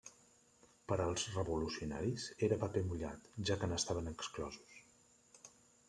Per als revolucionaris era paper mullat, ja que n'estaven exclosos.